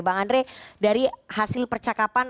bang andre dari hasil percakapan